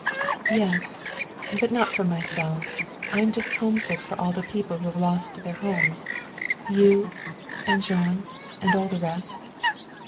"Yes. But not for myself. I am just homesick for all the people who have lost their homes. You and Jean, and all the rest."